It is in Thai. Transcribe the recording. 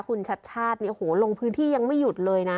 คุณชัดชาติเนี่ยโอ้โหลงพื้นที่ยังไม่หยุดเลยนะ